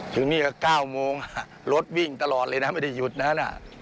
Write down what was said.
ถึงนี่ก็๙โมงรถวิ่งตลอดเลยนะไม่ได้หยุดนะ